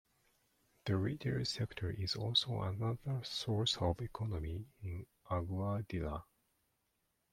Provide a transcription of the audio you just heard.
The retail sector is also another source of economy in Aguadilla.